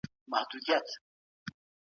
بدخشان یمګان ته تبعيد. سنایي غزنوي – یوه موده